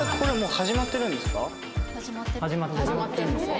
始まってるんですね。